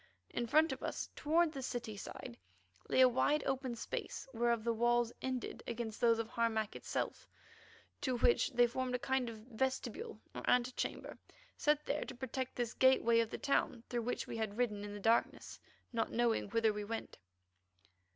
In front of us, towards the city side, lay a wide open space, whereof the walls ended against those of Harmac itself, to which they formed a kind of vestibule or antechamber set there to protect this gateway of the town through which we had ridden in the darkness, not knowing whither we went.